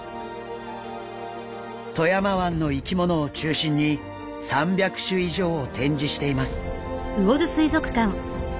富山湾の生き物を中心に３００種以上を展示しています。